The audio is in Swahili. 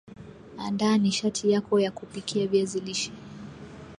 andaa nishati yako ya kupikia viazi lishe